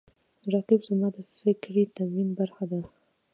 رقیب زما د فکري تمرین برخه ده